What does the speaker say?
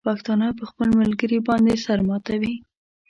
پښتانه په خپل ملګري باندې سر ماتوي.